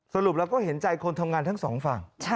สรุปแล้วก็เห็นใจคนทำงานทั้งสองฝั่ง